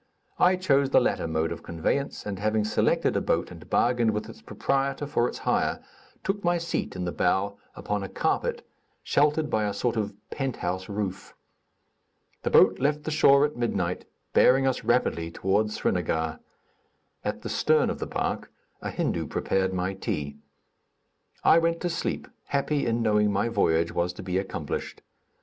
I chose the latter mode of conveyance, and having selected a boat and bargained with its proprietor for its hire, took my seat in the bow, upon a carpet, sheltered by a sort of penthouse roof. The boat left the shore at midnight, bearing us rapidly toward Srinagar. At the stern of the bark, a Hindu prepared my tea. I went to sleep, happy in knowing my voyage was to be accomplished.